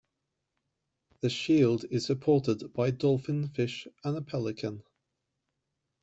The shield is supported by a dolphin fish and a pelican.